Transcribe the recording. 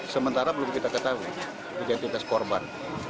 sementara belum kita ketahui identitas korban